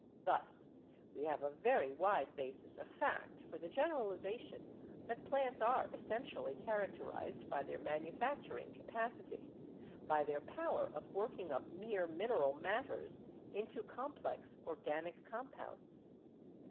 Thus we have a very wide basis of fact for the generalization that plants are essentially characterized by their manufacturing capacity — by their power of working up mere mineral mat ters into complex organic compounds.